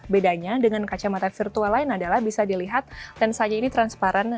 bedanya dengan kacamata virtual lain adalah bisa dilihat dan saja ini transparan